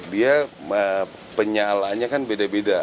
dia penyalaannya kan beda beda